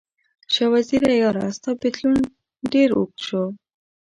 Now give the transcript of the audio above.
شاه وزیره یاره، ستا بیلتون ډیر اوږد شو